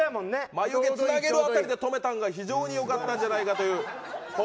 眉毛あたりで止めたのが非常によかったんじゃないかという。